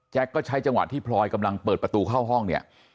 ก็ใช้จังหวะที่พลอยกำลังเปิดประตูเข้าห้องเนี่ย